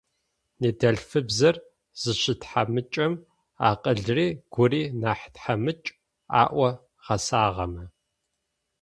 Ныдэлъфыбзэр зыщытхьамыкӏэм акъылри гури нахь тхьамыкӏ,- аӏо гъэсагъэмэ.